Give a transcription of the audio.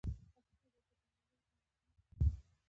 ازادي راډیو د د بیان آزادي پر اړه مستند خپرونه چمتو کړې.